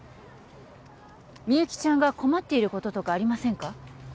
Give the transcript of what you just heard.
みゆきちゃんが困っていることとかありませんか？